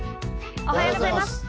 おはようございます。